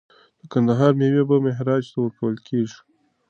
د کندهار میوې به مهاراجا ته ورکول کیږي.